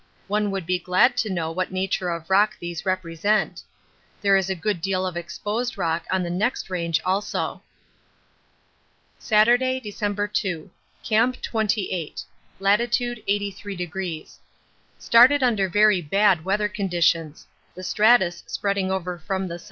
One would be glad to know what nature of rock these represent. There is a good deal of exposed rock on the next range also. Saturday, December 2. Camp 28. Lat. 83°. Started under very bad weather conditions. The stratus spreading over from the S.E.